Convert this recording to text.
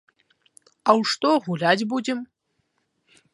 А ў што гуляць будзем?